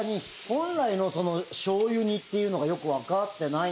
本来の醤油煮っていうのがよくわかってないんですけど。